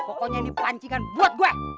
pokoknya ini pancingan buat gue